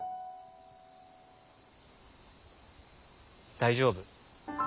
大丈夫。